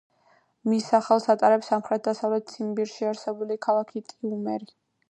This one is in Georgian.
მის სახელს ატარებს სამხრეთ-დასავლეთ ციმბირში არსებული ქალაქი ტიუმენი.